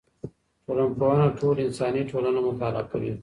ټولنپوهنه ټوله انساني ټولنه مطالعه کوي.